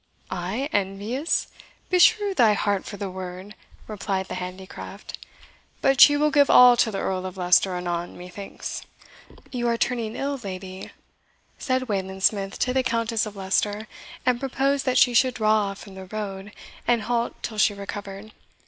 "I envious? beshrew thy heart for the word!" replied the handicraft. "But she will give all to the Earl of Leicester anon, methinks." "You are turning ill, lady," said Wayland Smith to the Countess of Leicester, and proposed that she should draw off from the road, and halt till she recovered.